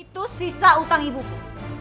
itu sisa utang ibuku